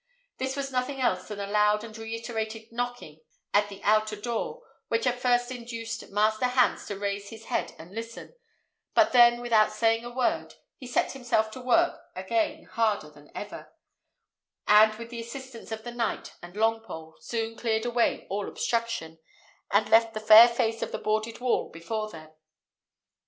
This was nothing else than a loud and reiterated knocking at the outer door, which at first induced Master Hans to raise his head and listen; but then, without saying a word, he set himself to work again harder than ever, and with the assistance of the knight and Longpole, soon cleared away all obstruction, and left the fair face of the boarded wall before them.